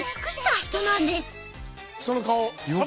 人の顔だ。